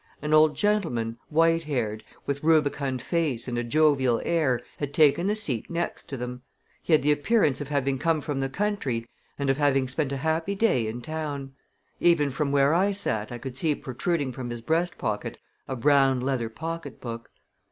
An old gentleman, white haired, with rubicund face and a jovial air, had taken the seat next to them. He had the appearance of having come from the country and of having spent a happy day in town. Even from where I sat I could see protruding from his breast pocket a brown leather pocketbook.